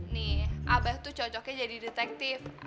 nih abah tuh cocoknya jadi detektif